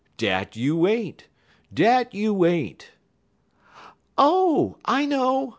Dat you ain't dat you ain't!" "Oh, I know!"